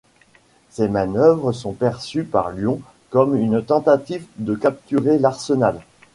Ces manœuvres sont percues par Lyon comme une tentative de capturer l'arsenal.